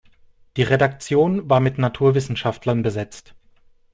Die Redaktion war mit Naturwissenschaftlern besetzt.